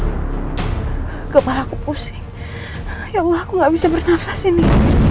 hai kepala aku pusing ya allah aku nggak bisa bernafas ini